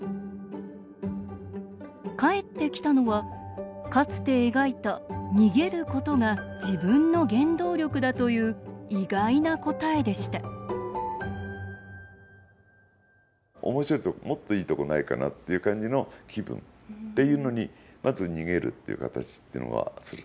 返ってきたのは、かつて描いたにげることが自分の原動力だという意外な答えでしたおもしろいとこもっといいとこないかなっていう感じの気分っていうのにまず逃げるという形ってのはする。